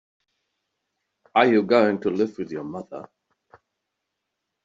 Are you going to live with your mother?